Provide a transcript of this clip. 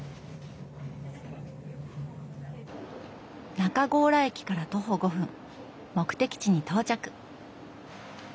中強羅駅から徒歩５分目的地に到着。